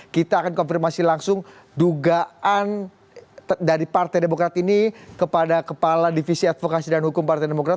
kita akan konfirmasi langsung dugaan dari partai demokrat ini kepada kepala divisi advokasi dan hukum partai demokrat